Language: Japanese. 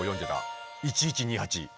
１１２８。